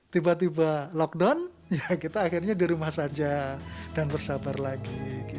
tiba tiba lockdown ya kita akhirnya di rumah saja dan bersabar lagi